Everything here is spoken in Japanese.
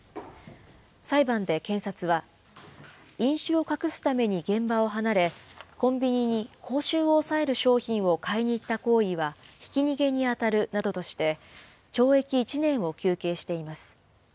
裁判で検察は、飲酒を隠すために現場を離れ、コンビニに口臭を抑える商品を買いに行った行為は、ひき逃げに当たるなどとして、懲役１年を求刑しています。